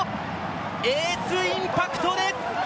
エースインパクトです。